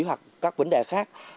hoặc các vấn đề khác